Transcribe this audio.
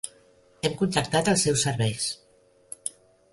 Hem contractat els seus serveis.